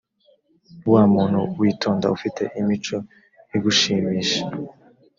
wa muntu witonda ufite imico igushimisha